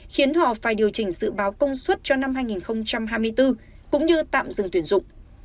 khiến họ phải điều chỉnh dự báo công suất cho năm hai nghìn hai mươi bốn cũng như tạm dừng tuyển dụng